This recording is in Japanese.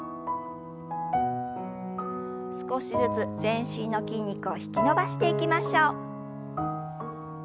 少しずつ全身の筋肉を引き伸ばしていきましょう。